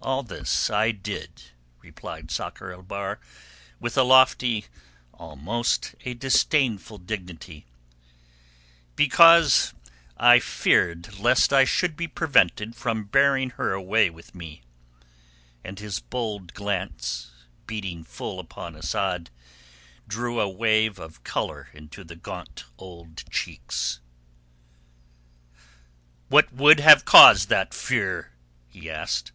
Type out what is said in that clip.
"All this I did," replied Sakr el Bahr, with a lofty—almost a disdainful—dignity, "because I feared lest I should be prevented from bearing her away with me," and his bold glance, beating full upon Asad, drew a wave of colour into the gaunt old cheeks. "What could have caused that fear?" he asked.